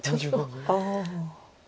ああ。